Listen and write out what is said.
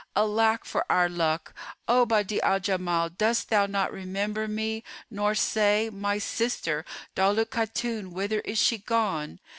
Alack for our luck! O Badi'a al Jamal, dost thou not remember me nor say, 'My sister Daulat Khatun whither is she gone?